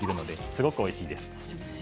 すごくおいしいです。